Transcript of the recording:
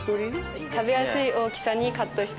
食べやすい大きさにカットしたもも肉に。